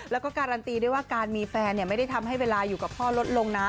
แล้วก็การันตีด้วยว่าการมีแฟนไม่ได้ทำให้เวลาอยู่กับพ่อลดลงนะ